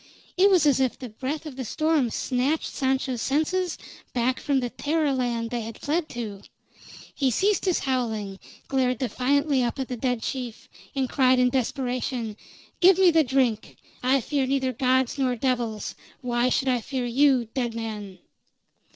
It was as if the breath of the storm snatched Sancho's senses back from the terror land they had fled to; he ceased his howling, glared defiantly up at the dead chief, and cried in desperation: "Give me the drink! I fear neither gods nor devils; why should I fear you, dead man?"